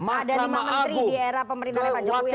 ada lima menteri di era pemerintahan jokowi yang tertangkap